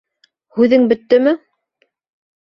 Һүҙең бөттөмө?